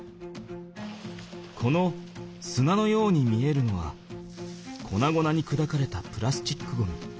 この砂のように見えるのはこなごなにくだかれたプラスチックゴミ。